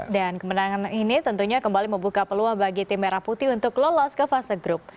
dan kemenangan ini tentunya kembali membuka peluang bagi tim merah putih untuk lolos ke fase grup